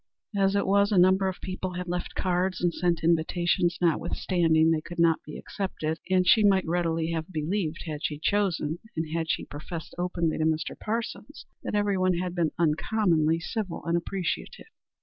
As it was a number of people had left cards and sent invitations notwithstanding they could not be accepted, and she might readily have believed, had she chosen and as she professed openly to Mr. Parsons that everyone had been uncommonly civil and appreciative.